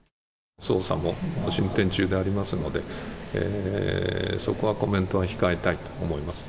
捜査も進展中でありますので、そこはコメントは控えたいと思います。